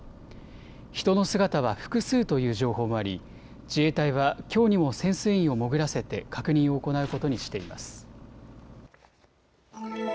人の姿は複数という情報もあり自衛隊はきょうにも潜水員を潜らせて確認を行うことにしています。